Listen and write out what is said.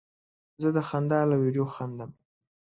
زه د خندا له ویډیو خندم.